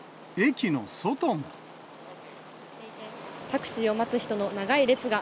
タクシーを待つ人の長い列が、